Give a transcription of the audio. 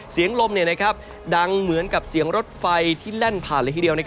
เสียงลมดังเหมือนกับเสียงรถไฟที่แล่นผ่านเลยทีเดียว